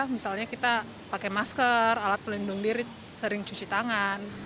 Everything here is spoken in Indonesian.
misalnya kita pakai masker alat pelindung diri sering cuci tangan